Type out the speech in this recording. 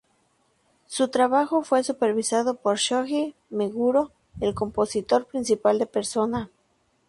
Su trabajo fue supervisado por Shoji Meguro, el compositor principal de "Persona".